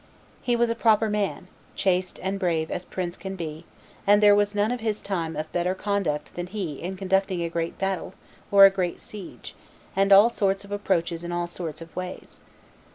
He was a proper man, chaste and brave as prince can be; and there was none of his time of better conduct than lie in conducting a great battle, or a great siege, and all sorts of approaches in all sorts of ways.